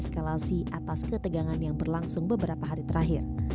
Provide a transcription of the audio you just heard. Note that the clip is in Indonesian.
segera melakukan deeskalasi atas ketegangan yang berlangsung beberapa hari terakhir